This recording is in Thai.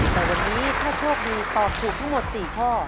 แต่วันนี้ถ้าโชคดีตอบถูกทั้งหมด๔ข้อ